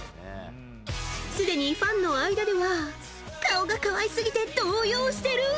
すでにファンの間では顔が可愛すぎて動揺してる。